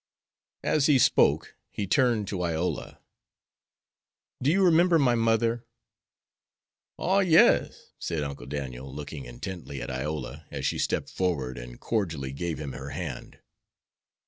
As he spoke he turned to Iola. "Do you remember my mother?" "Oh, yes," said Uncle Daniel, looking intently at Iola as she stepped forward and cordially gave him her hand.